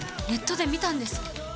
ネットで見たんです。